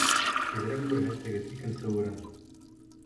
Тиҙерәк күрһәтегеҙ икенсе урын.